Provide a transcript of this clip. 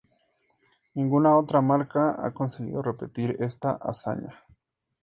Ninguna otra marca ha conseguido repetir esta hazaña.